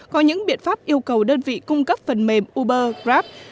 có những biện pháp yêu cầu đơn vị cung cấp phần mềm uber grab